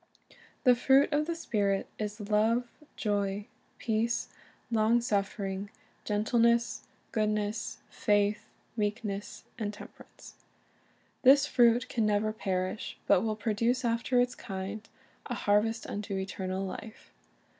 "The fruit of the Spirit is love, joy, peace, long suffering. ''First the Blade, then the Ear'' 69 gentleness, goodness, faith, meekness, temperance.'"' This fruit can never perish, but will produce after its kind a harvest unto eternal life.